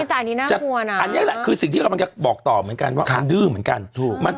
อันนี้แหละคือสิ่งที่เราบอกต่อเหมือนกันว่าดื้อเหมือนกัน